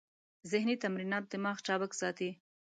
ذهني تمرینات دماغ چابک ساتي.